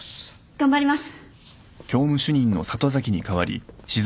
頑張ります。